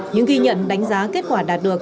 những ghi nhận đánh giá kết quả đạt được